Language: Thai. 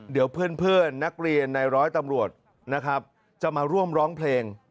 เดี๋ยวเพื่อนนักเรียนในร้อยตำรวจนะครับจะมาร่วมร้องเพลง